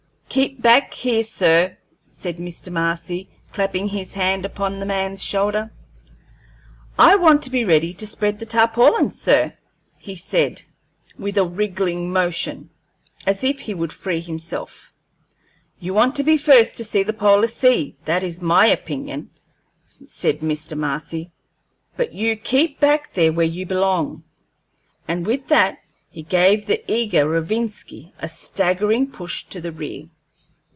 "Keep back here, sir," said Mr. Marcy, clapping his hand upon the man's shoulder. "I want to be ready to spread the tarpaulins, sir," said he, with a wriggling motion, as if he would free himself. "You want to be the first to see the polar sea, that is my opinion," said Mr. Marcy; "but you keep back there where you belong." And with that he gave the eager Rovinski a staggering push to the rear.